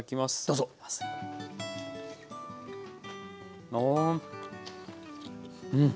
うん。